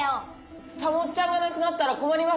たもっちゃんがなくなったらこまります。